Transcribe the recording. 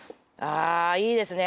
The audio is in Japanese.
あいいですね